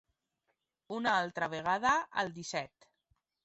Una altra vegada al disset.